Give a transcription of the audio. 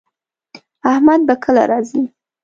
احمد به کله راځي